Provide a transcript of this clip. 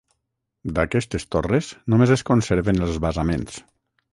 D'aquestes torres només es conserven els basaments.